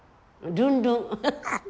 ルンルン⁉